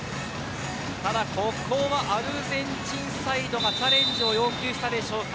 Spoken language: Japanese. しかしアルゼンチンサイドがチャレンジを要求したでしょうか